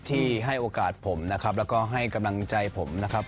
ให้โอกาสผมนะครับแล้วก็ให้กำลังใจผมนะครับ